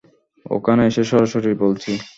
ওখানে এসে সরাসরি বলছি।